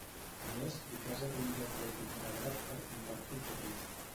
A més, Picasa té un lloc web integrat per compartir fotos.